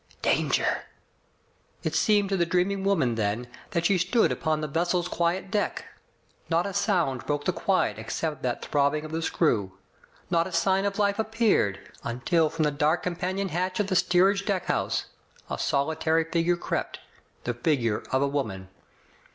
Danger!'* It seemed to the dreaming woman then that she stood upon the vessel's quiet deck. Not a sound broke the quiet except that throbbing of the screw. Not a sign of life appeared, until from the dark companion hatch of the steerage deckhouse a solitary figure crept — the figure of a woman.